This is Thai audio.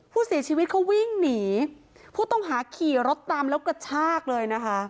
ผู้เสียชีวิตเขาวิ่งหนีผู้ต้องหาขี่รถตามแล้วกระชากเลยนะคะ